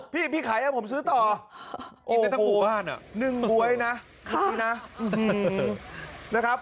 พี่พี่ขายังผมซื้อต่ออุ้ยนึงบ๊วยนะครับนะครับ